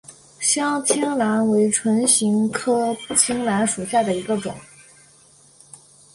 香青兰为唇形科青兰属下的一个种。